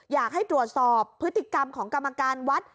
อยากให้ตรวจสอบพฤติกรรมของกรรมการวัด